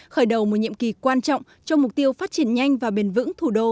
khởi đầu một nhiệm kỳ quan trọng cho mục tiêu phát triển nhanh và bền vững thủ đô